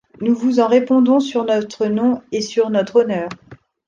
Nous vous en répondons sur notre nom et sur notre honneur.